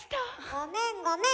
ごめんごめん。